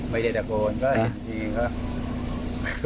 ไม่ได้ตะโกนก็เห็นทีก็